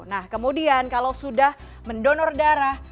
nah kemudian kalau sudah mendonor darah